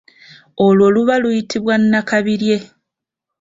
Olwo luba luyitibwa nnakabirye.